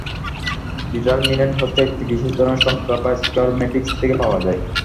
Determinant হচ্ছে একটি বিশেষ ধরনের সংখ্যা যা স্কয়ার ম্যাট্রিক্স থেকে পাওয়া যায়।